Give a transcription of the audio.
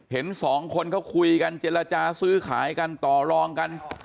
เห็นสองคนเขาคุยกันเจรจาซื้อขายกันต่อลองกัน